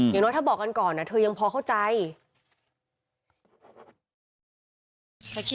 อย่างน้อยถ้าบอกกันก่อนเธอยังพอเข้าใจ